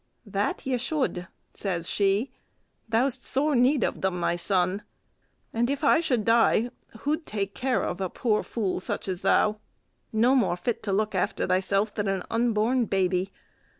"That ye should," says she; "thou 'st sore need o' them, my son: and if I should die, who'd take care o' a poor fool such 's thou, no more fit to look after thyself than an unborn baby?